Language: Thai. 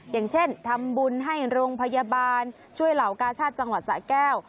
อย่างเช่นทำบุญให้โรงพยาบาลช่วยเหล่ากาชาติจังหวัดสะแก้ว